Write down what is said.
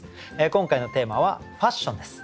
今回のテーマは「ファッション」です。